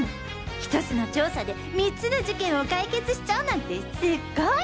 １つの調査で３つの事件を解決しちゃうなんてすっごい！